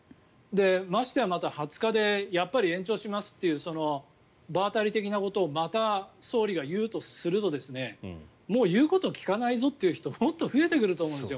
ましてや、また２０日でやっぱり延長しますっていう場当たり的なことをまた総理が言うとするともう言うことを聞かないぞという人がもっと増えてくると思うんです。